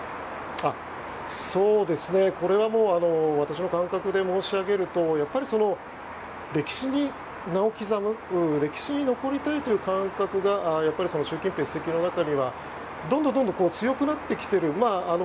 これはもう私の感覚で申し上げるとやっぱり、歴史に名を刻む歴史に残りたいという感覚がやっぱり習近平主席の中でどんどん強くなってきている。